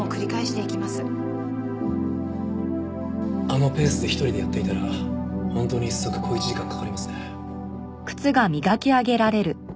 あのペースで一人でやっていたら本当に１足小一時間かかりますね。